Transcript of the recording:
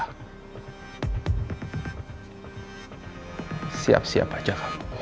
kamu harus siap siap saja